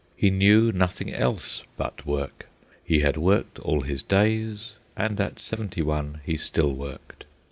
He knew nothing else but work. He had worked all his days, and at seventy one he still worked.